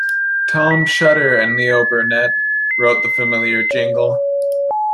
Tom Shutter and Leo Burnett wrote the familiar jingle.